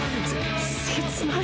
せ切ない。